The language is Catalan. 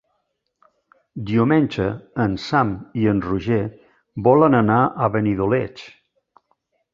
Diumenge en Sam i en Roger volen anar a Benidoleig.